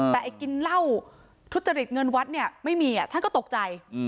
แต่ไอ้กินเหล้าทุจริตเงินวัดเนี่ยไม่มีท่านก็ตกใจ